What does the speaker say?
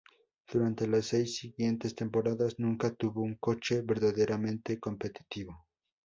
Durante las seis siguientes temporadas nunca tuvo un coche verdaderamente competitivo.